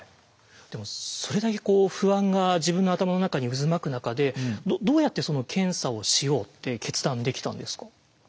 でもそれだけ不安が自分の頭の中に渦巻く中でどうやってその検査をしようって決断できたんですか？